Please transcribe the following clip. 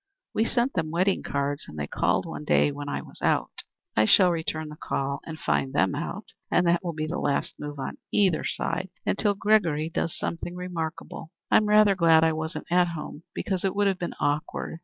We sent them wedding cards and they called one day when I was out. I shall return the call and find them out, and that will be the last move on either side until Gregory does something remarkable. I'm rather glad I wasn't at home, because it would have been awkward.